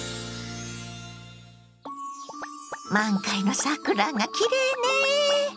満開の桜がきれいね。